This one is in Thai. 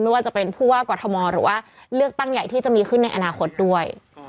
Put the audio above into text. ไม่ว่าจะเป็นผู้ว่ากอทมหรือว่าเลือกตั้งใหญ่ที่จะมีขึ้นในอนาคตด้วย